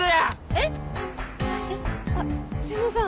えっすいません